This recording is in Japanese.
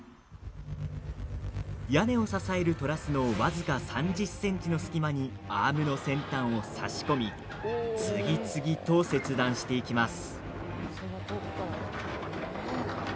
屋根を支えるトラスの僅か３０ｃｍの隙間にアームの先端を差し込み次々と切断していきます。